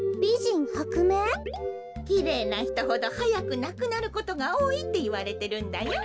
きれいなひとほどはやくなくなることがおおいっていわれてるんだよ。